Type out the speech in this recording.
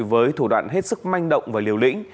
với thủ đoạn hết sức manh động và liều lĩnh